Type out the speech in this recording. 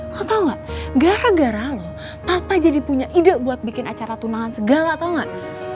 lo tau gak gara gara lo papa jadi punya ide buat bikin acara tunangan segala tau gak